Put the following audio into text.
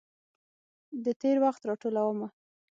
د تیروخت راټولومه